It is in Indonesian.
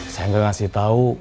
saya nggak ngasih tau